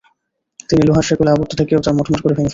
তিনি লোহার শেকলে আবদ্ধ থেকেও তার মট্মট্ করে ভেঙে ফেলতেন।